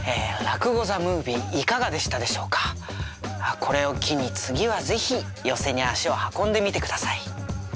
これを機に次は是非寄席に足を運んでみて下さい。